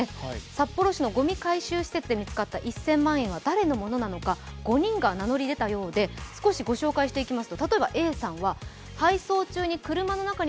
札幌市のごみ回収施設で見つかった１０００万円は誰のものなのか、５人が名乗り出たようで、少しご紹介していきます。